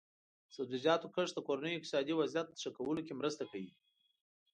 د سبزیجاتو کښت د کورنیو اقتصادي وضعیت ښه کولو کې مرسته کوي.